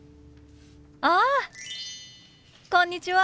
あ！こんにちは。